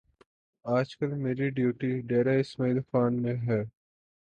آج کل میری ڈیوٹی ڈیرہ اسماعیل خان میں ہے